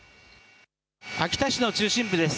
秋田市の中心部です。